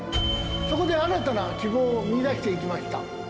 そこで新たな希望を見いだしていきました。